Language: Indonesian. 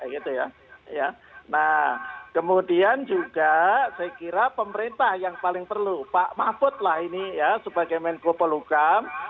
nah kemudian juga saya kira pemerintah yang paling perlu pak mahfud lah ini ya sebagai menko pelukam